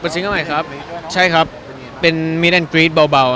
ตอนนี้สุดท้าย